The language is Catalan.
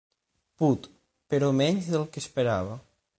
Put, però menys del que esperava.